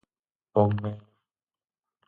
Ponme...